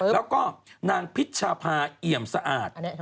แล้วก็นางพิชภาเอี่ยมสะอาด